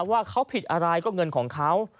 ว่าเขาผิดอะไรก็เงินของเขา